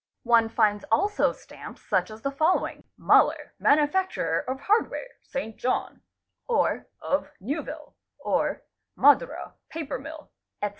One finds also stamps such as the following, "Muller, Manufacturer of Hard ware, St. Jean"', or "of Newville', or 'Madura Paper Mill', etc.